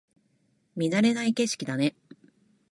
見慣れない景色だね